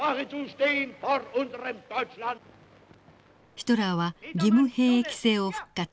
ヒトラーは義務兵役制を復活。